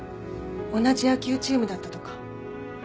同じ野球チームだったとか。